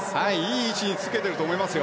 いい位置につけていると思います。